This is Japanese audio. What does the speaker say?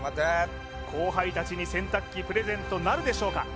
後輩たちに洗濯機プレゼントなるでしょうか